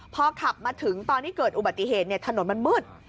พอขับมาถึงตอนที่เกิดอุบัติเหตุถนนมันมืด